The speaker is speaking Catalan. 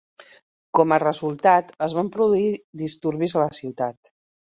Com a resultat, es van produir disturbis a la ciutat.